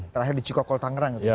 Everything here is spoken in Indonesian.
terakhir di cikokol tangerang itu ya mas